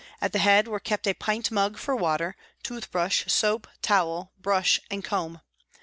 At the head were kept a pint mug for water, tooth brush, soap, towel, brush and comb.